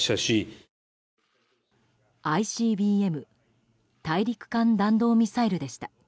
ＩＣＢＭ・大陸間弾道ミサイルでした。